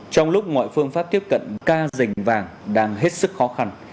trong lúc mọi phương pháp tiếp cận ca dành vàng đang hết sức khó khăn